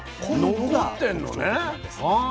残ってんのね。